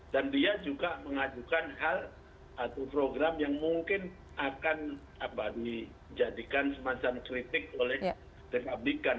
dan dia juga mengajukan hal atau program yang mungkin akan dijadikan semacam kritik oleh republikan